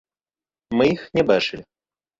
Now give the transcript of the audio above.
Мы іх не бачылі.